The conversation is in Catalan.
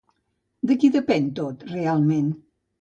De qui depèn tot realment?